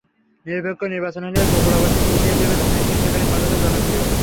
নিরপেক্ষ নির্বাচন হলে বগুড়াবাসী বুঝিয়ে দেবে ধানের শীষ এখানে কতটা জনপ্রিয়।